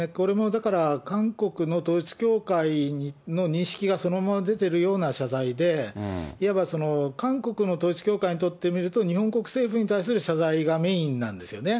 だから韓国の統一教会の認識がそのまま出てるような謝罪で、いわば韓国の統一教会にとってみると、日本国政府に対する謝罪がメインなんですよね。